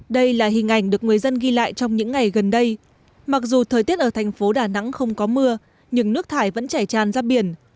đây là hình ảnh được người dân ghi lại trong những ngày gần đây mặc dù thời tiết ở thành phố đà nẵng không có mưa nhưng nước thải vẫn chảy tràn ra biển